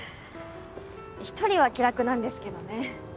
１人は気楽なんですけどね。